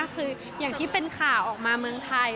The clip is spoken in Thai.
คืออย่างที่เป็นข่าวออกมาเมืองไทย